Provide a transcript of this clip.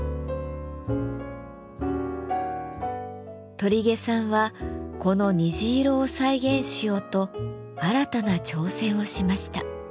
鳥毛さんはこの虹色を再現しようと新たな挑戦をしました。